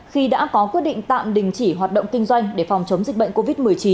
khi đã có quyết định tạm đình chỉ hoạt động kinh doanh để phòng chống dịch bệnh covid một mươi chín